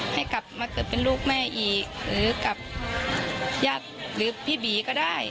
ให้กลับมาเกิดเป็นลูกแม่อีกหรือกับญาติหรือพี่บีก็ได้